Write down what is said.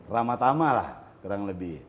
ramatama lah kurang lebih